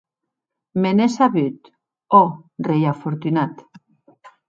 Me n’è sabut, ò rei afortunat!